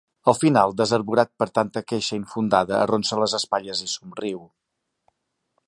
Al final, desarborat per tanta queixa infundada, arronsa les espatlles i somriu.